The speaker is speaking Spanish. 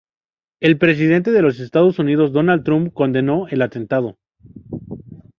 El presidente de los Estados Unidos, Donald Trump condenó el atentado.